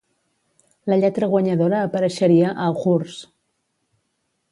La lletra guanyadora apareixeria a "Hours".